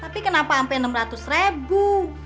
tapi kenapa sampai enam ratus ribu